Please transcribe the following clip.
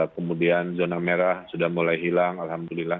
kemudian zona merah sudah mulai hilang alhamdulillah